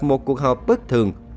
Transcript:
một cuộc họp bất thường